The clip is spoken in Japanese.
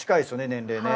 年齢ね。